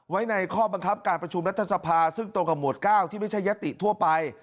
ในข้อบังคับการประชุมรัฐสภาซึ่งตรงกับหมวด๙ที่ไม่ใช่ยติทั่วไป